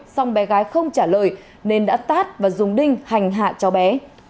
xong bé gái không trả lời nên đã tát và dùng đinh hành hạ cháu bé